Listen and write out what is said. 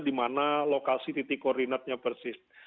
di mana lokasi titik koordinatnya persis